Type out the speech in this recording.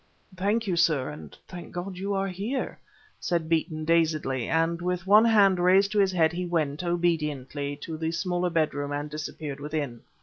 "Thank you, sir, and thank God you are here," said Beeton dazedly, and with one hand raised to his head he went, obediently, to the smaller bedroom and disappeared within.